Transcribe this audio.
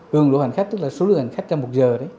cường lộ hành khách tức là số lượng hành khách trong một giờ